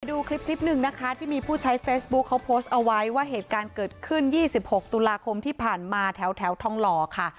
ดูคลิปหนึ่งนะคะที่มีผู้ใช้เฟซบุ๊คเขาโพสต์เอาไว้ว่าเหตุการณ์เกิดขึ้น๒๖ตุลาคมที่ผ่านมาแถวทองหล่อค่ะ